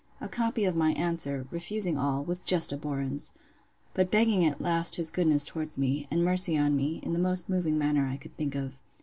A copy of my answer, refusing all, with just abhorrence: But begging at last his goodness towards me, and mercy on me, in the most moving manner I could think of.